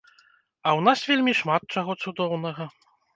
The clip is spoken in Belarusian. А ў нас вельмі шмат чаго цудоўнага.